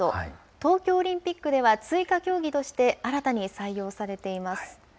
東京オリンピックでは追加競技として新たに採用されています。